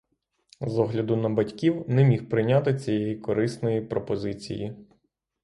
З огляду на батьків не міг прийняти цієї корисної пропозиції.